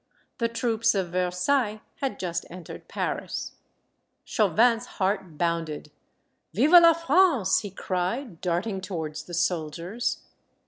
The troops of Versailles had just entered Paris. Chauvin's heart bounded. " Vive la France !" he cried, darting towards the soldiers.